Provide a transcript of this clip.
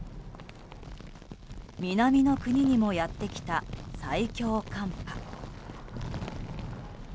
南の国にもやってきた最強寒波。